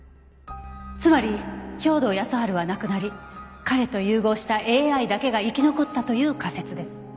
つまり兵働耕春は亡くなり彼と融合したＡＩだけが生き残ったという仮説です。